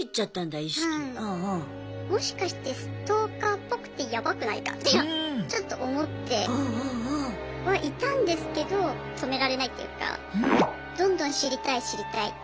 もしかしてストーカーっぽくってヤバくないかってちょっと思ってはいたんですけど止められないっていうかどんどん知りたい知りたいって。